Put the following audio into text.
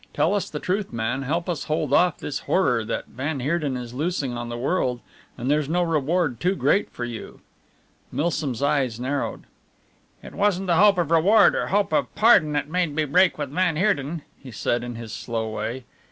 Tell us the truth, man, help us hold off this horror that van Heerden is loosing on the world and there's no reward too great for you." Milsom's eyes narrowed. "It wasn't the hope of reward or hope of pardon that made me break with van Heerden," he said in his slow way.